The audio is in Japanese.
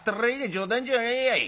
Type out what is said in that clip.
冗談じゃねえやい。